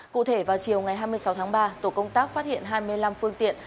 cụ thể vào chiều ngày hai mươi sáu tháng ba tổ công tác phát hiện hai mươi năm phương tiện